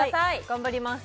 頑張ります